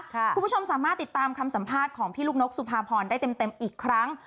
คุณผู้ชมสามารถติดตามคำสัมภาษณ์ของพี่ลูกนกสุภาพรได้เต็มอีกครั้ง